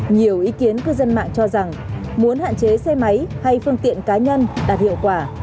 nhiều ý kiến cư dân mạng cho rằng muốn hạn chế xe máy hay phương tiện cá nhân đạt hiệu quả